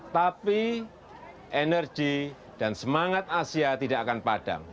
tapi energi dan semangat asia tidak akan padam